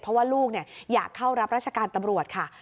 เพราะว่าลูกอยากเข้ารับราชการตำรวจค่ะ